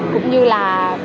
cũng như là